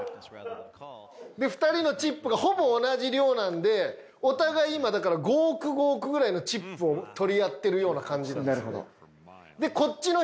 で２人のチップがほぼ同じ量なんでお互い今だから５億５億ぐらいのチップを取り合ってるような感じなんですよね。